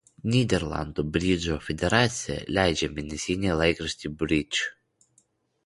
Nyderlandų bridžo federacija leidžia mėnesinį laikraštį „Bridge“.